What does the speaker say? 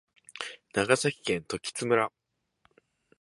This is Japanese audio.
長崎県時津町